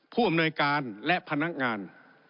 ผู้อำนวยการและพนักงาน